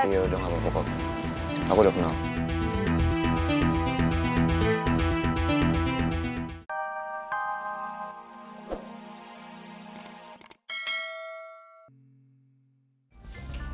iya udah gapapa kok aku udah kenal